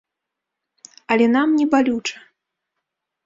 Але нам не балюча.